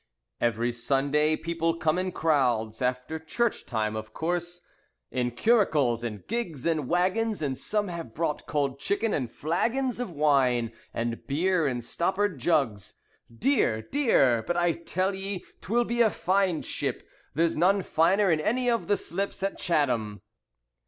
Every Sunday People come in crowds (After church time, of course) In curricles, and gigs, and wagons, And some have brought cold chicken and flagons Of wine, And beer in stoppered jugs. "Dear! Dear! But I tell 'ee 'twill be a fine ship. There's none finer in any of the slips at Chatham."